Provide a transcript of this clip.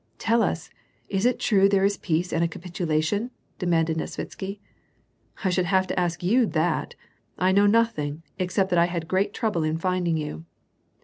" Tell us, is it true there is peace and a capitulation ?" de manded Nesvitsky. "I should have to ask you that ! I know nothing, except that I had great trouble in finding you."